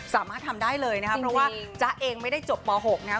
สามารถทำได้เลยนะครับเพราะว่าจ๊ะเองไม่ได้จบม๖นะครับ